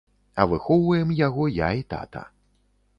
А выхоўваем яго я і тата.